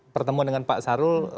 pertemuan dengan pak sarul